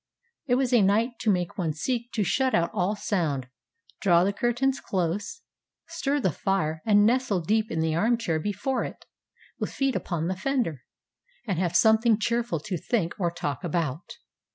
It was a night to make one seek to shut out all sound, draw the curtains close, stir the fire and nestle deep in the arm chair before it, with feet upon the fender, and have something cheerful to think or talk about.